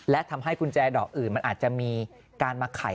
และทำให้กุญแจดอกอื่นมันอาจจะมีการมาไข